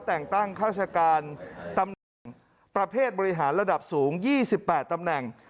แต่งตั้งข้าราชการตำแหน่งประเภทบริหารระดับสูง๒๘ตำแหน่ง